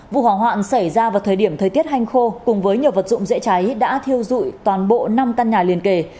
vụ hỏa hoạn xảy ra vào thời điểm thời tiết hanh khô cùng với nhiều vật dụng dễ cháy đã thiêu dụi toàn bộ năm căn nhà liền kề